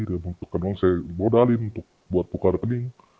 untuk kemungkinan saya modalin untuk buka rekening